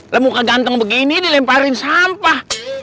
lembuka ganteng begini dilemparin sampah